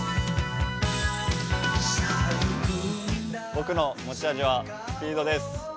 僕の持ち味はスピードです。